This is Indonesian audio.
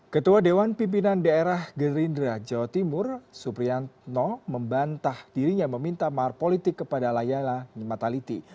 ketua dewan pimpinan daerah gerindra jawa timur suprianto membantah dirinya meminta mahar politik kepada layala mataliti